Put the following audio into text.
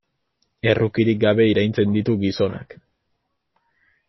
Errukirik gabe iraintzen ditu gizonak.